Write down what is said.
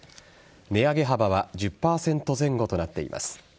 値上げ幅は１０％前後となっています。